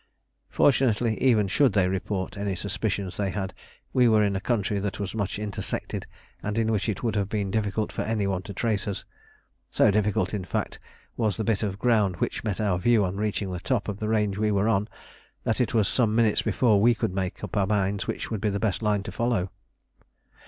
Fortunately, even should they report any suspicions they had, we were in country that was much intersected and in which it would have been difficult for any one to trace us. So difficult, in fact, was the bit of ground which met our view on reaching the top of the range we were on, that it was some minutes before we could make up our minds which would be the best line to follow.